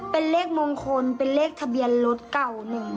เป็นเลขมงคลเป็นเลขทะเบียนรถเก่า๑๑